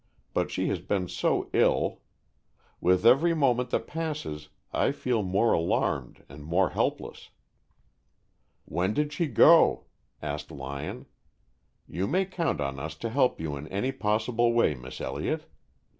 But she has been so ill. With every moment that passes I feel more alarmed and more helpless." "When did she go?" asked Lyon. "You may count on us to help you in any possible way, Miss Elliott.